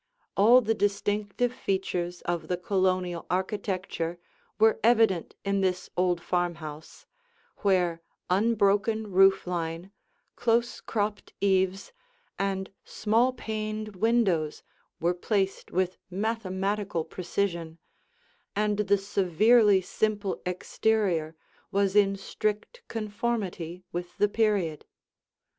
All the distinctive features of the Colonial architecture were evident in this old farmhouse, where unbroken roof line, close cropped eaves, and small paned windows were placed with mathematical precision, and the severely simple exterior was in strict conformity with the period.